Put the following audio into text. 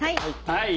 はい！